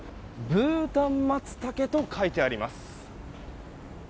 ブータンマツタケと書いてあります。